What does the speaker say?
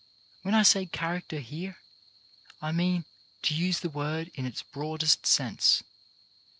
When I say character, here, I mean to use the word in its broadest sense.